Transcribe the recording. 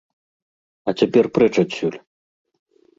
А цяпер прэч адсюль!